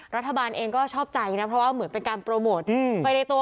รัฐบาลเองก็ชอบใจนะเพราะว่าเหมือนเป็นการโปรโมทไปในตัว